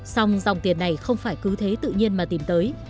xong dòng tiền này không phải cứ thế tự nhiên mà tìm tới